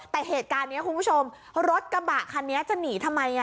แต่เหตุการณ์นี้คุณผู้ชมรถกระบะคันนี้จะหนีทำไม